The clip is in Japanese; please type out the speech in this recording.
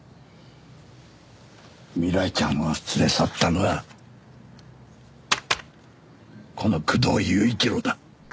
未来ちゃんを連れ去ったのはこの工藤雄一郎だ。